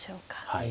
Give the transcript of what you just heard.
はい。